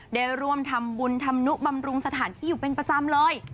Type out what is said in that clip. ได้ร่วมทำบุญทำนุบำรุงสถานที่อยู่เป็นประจำเลย